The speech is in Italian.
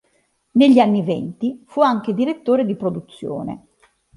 Negli anni venti, fu anche direttore di produzione.